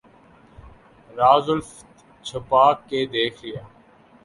راز الفت چھپا کے دیکھ لیا